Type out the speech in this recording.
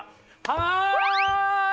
はい！